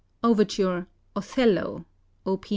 OVERTURE, "OTHELLO": Op.